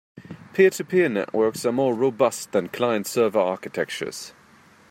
Peer-to-peer networks are more robust than client-server architectures.